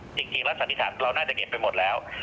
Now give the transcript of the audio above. จริงแล้วสันนิษฐานเราน่าจะเก็บไปหมดแล้ว